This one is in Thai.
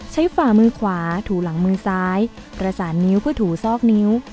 ฝ่ามือขวาถูหลังมือซ้ายประสานนิ้วเพื่อถูซอกนิ้ว